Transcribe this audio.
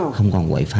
không còn quậy pha